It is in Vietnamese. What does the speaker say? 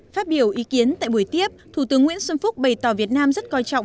phát biểu ý kiến tại buổi tiếp thủ tướng nguyễn xuân phúc bày tỏ việt nam rất coi trọng